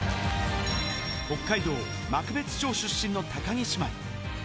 北海道幕別町出身の高木姉妹。